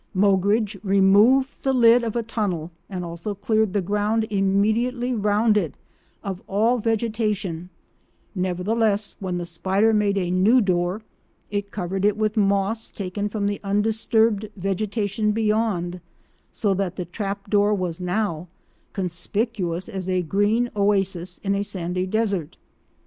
Moggridge removed the lid of a tunnel and also cleared the ground immediately round it of all vegetation; nevertheless, when the spider made a new door, it covered it with moss taken from the undisturbed vegetation beyond, so that the trap door was now conspicuous as a green oasis in a sandy desert!